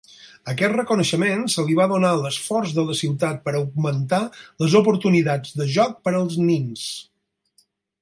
Aquest reconeixement se li va donar a l'esforç de la ciutat per "augmentar les oportunitats de joc per als nens".